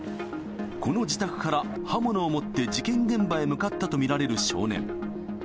この自宅から刃物を持って事件現場へ向かったと見られる少年。